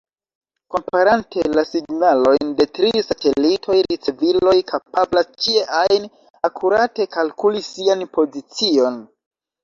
Komparante la signalojn de tri satelitoj, riceviloj kapablas ĉie ajn akurate kalkuli sian pozicion.